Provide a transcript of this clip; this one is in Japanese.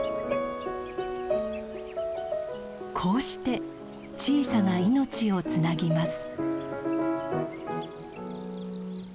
こうして小さな命をつなぎます。